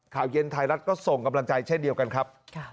ข่าวเย็นไทยรัฐก็ส่งกำลังใจเช่นเดียวกันครับ